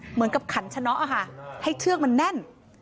เหมือนกับขันชะน็อตอ่ะค่ะให้เชือกมันแน่น